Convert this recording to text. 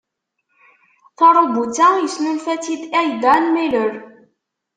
Tarubut-a, yesnulfa-tt-id Aidan Meller.